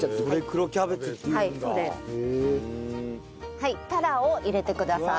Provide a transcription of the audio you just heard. はい鱈を入れてください。